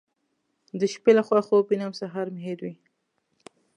د شپې له خوا خوب وینم سهار مې هېروي.